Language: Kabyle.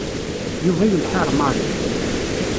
Yuba yelḥa ar Mary.